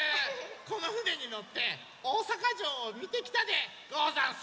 このふねにのっておおさかじょうをみてきたでござんす！